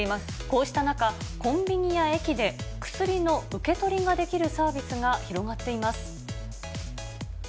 こうした中、コンビニや駅で薬の受け取りができるサービスが広がっています。